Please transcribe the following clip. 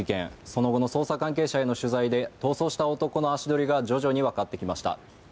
その後の捜査関係者への取材で逃走した男の足取りが徐々に分かってきました。